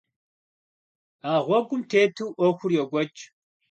А гъуэгум тету Ӏуэхур йокӀуэкӀ.